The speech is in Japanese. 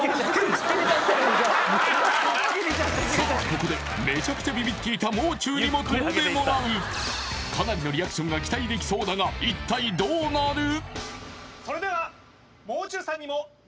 ここでめちゃくちゃビビっていたもう中にも飛んでもらうかなりのリアクションが期待できそうだが一体どうなる？